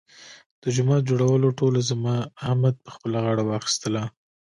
د جومات جوړولو ټوله ذمه احمد په خپله غاړه واخیستله.